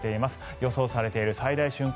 予想されている最大瞬間